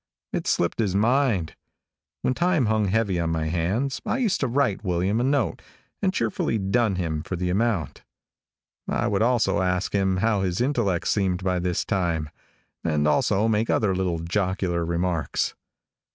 It slipped his mind. When time hung heavy on my hands, I used to write William a note and cheerfully dun him for the amount. I would also ask him how his intellect seemed by this time, and also make other little jocular remarks.